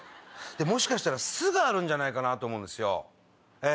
もしかしたら巣があるんじゃないかと思うんですよ。